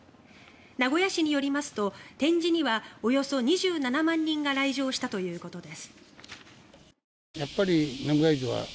名古屋市によりますと展示にはおよそ２７万人が来場したということです。